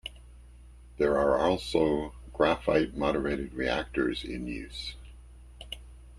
There are also Graphite moderated reactors in use.